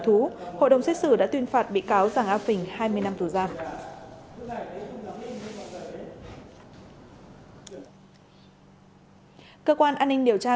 thú hội đồng xét xử đã tuyên phạt bị cáo giàng a phình hai mươi năm tù giam cơ quan an ninh điều tra